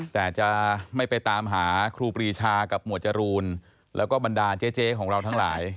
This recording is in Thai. แต่จะไม่ไปตามหาครูปรีชากับหมวดจรูนแล้วก็บรรดาเจ๊ของเราทั้งหลาย